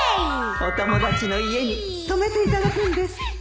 お友達の家に泊めていただくんですって